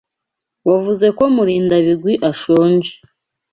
Wavuze ko Murindabigwi ashonje.